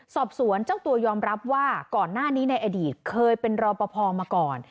สอบสวนเจ้าตัวยอมรับว่าก่อนหน้านี้ในอดีตเคยเป็นรอปภมาก่อน